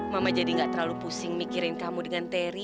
mama jadi gak terlalu pusing mikirin kamu dengan terry